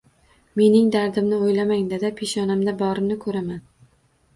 Mening dardimni o`ylamang dada, peshonamda borini ko`raman